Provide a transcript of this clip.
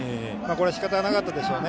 しかたなかったでしょうね。